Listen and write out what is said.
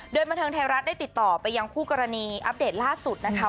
โดยบันเทิงไทยรัฐได้ติดต่อไปยังคู่กรณีอัปเดตล่าสุดนะคะ